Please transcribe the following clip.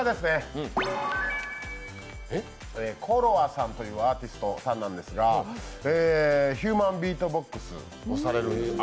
ＣｏＬｏＡさんというアーティストさんなんですが、ヒューマンビートボックスをされる。